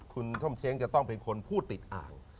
คุณส้มเช้งจะต้องเป็นคนพูดติดอ่าง